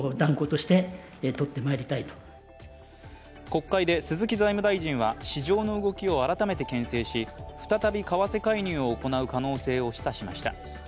国会で鈴木財務大臣は市場の動きを改めて牽制し再び為替介入を行う可能性を示唆しました。